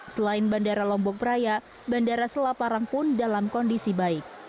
selain bandara lombok praya bandara selaparang pun dalam kondisi baik